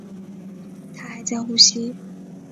她还在呼吸